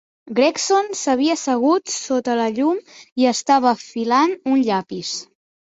Gregson s'havia assegut sota el llum i estava afilant un llapis.